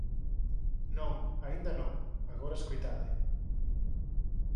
Non, aínda non, agora escoitade.